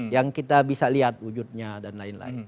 yang kita bisa lihat wujudnya dan lain lain